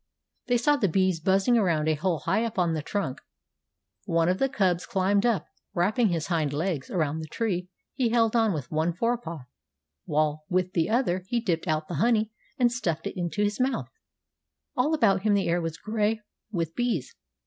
They saw the bees buzzing around a hole high up on the trunk. One of the cubs climbed up. Wrapping his hind legs around the tree he held on with one fore paw, while with the other he dipped out the honey and stuffed it into his mouth. All about him the air was gray with bees.